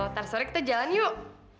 ntar sore kita jalan yuk